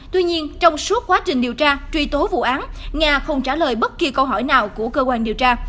tuy nhiên trong suốt quá trình điều tra truy tố vụ án nga không trả lời bất kỳ câu hỏi nào của cơ quan điều tra